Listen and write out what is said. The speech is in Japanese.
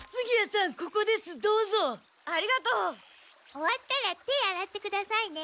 終わったら手洗ってくださいね。